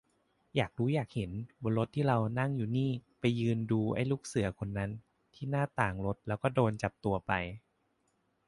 อยากรู้อยากเห็นบนรถที่เรานั่งอยู่นี่ ไปยืนดูไอ้ลูกเสือคนนั้นที่หน้าต่างรถ แล้วก็โดนจับตัวไป